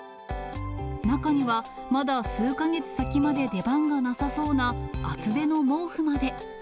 中には、まだ数か月先まで出番がなさそうな、厚手の毛布まで。